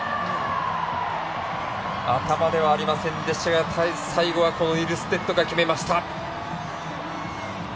頭ではありませんでしたが最後、イルステッドが決めました。